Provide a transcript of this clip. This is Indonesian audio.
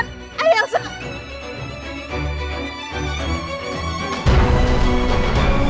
mbak jangan lepasin kamu